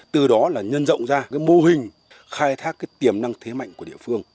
từ đó là nhân rộng ra mô hình khai thác tiềm năng thế mạnh của địa phương